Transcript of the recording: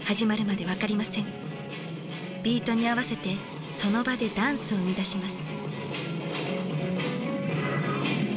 ビートに合わせてその場でダンスを生み出します。